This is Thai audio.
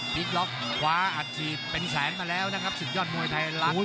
พลิกล็อกคว้าอาจจีบเป็นแสนมาแล้วนะครับสุดยอดมวยไทยรัฐ